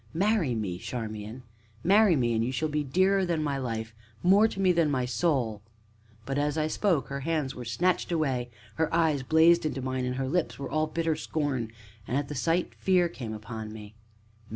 Marry me, Charmian! marry me! and you shall be dearer than my life more to me than my soul " But, as I spoke, her hands were snatched away, her eyes blazed into mine, and her lips were all bitter scorn, and at the sight, fear came upon me.